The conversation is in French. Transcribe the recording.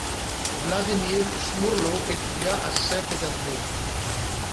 Vladimir Szmurlo étudia à Saint-Pétersbourg.